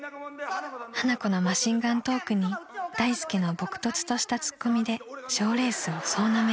［花子のマシンガントークに大助の朴訥としたツッコミで賞レースを総なめ］